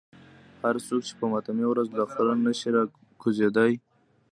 هر څوک چې په ماتمي ورځ له خره نشي راکوزېدای.